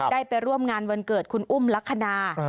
ไปร่วมงานวันเกิดคุณอุ้มลักษณะ